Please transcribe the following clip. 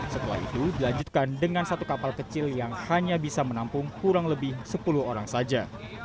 setelah itu dilanjutkan dengan satu kapal kecil yang hanya bisa menampung kurang lebih sepuluh orang saja